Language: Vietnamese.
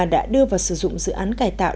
đã đưa vào sử dụng dự án cải tạo